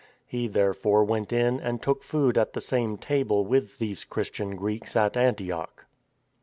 He therefore went in and took food at the same table with these Christian Greeks at Antioch.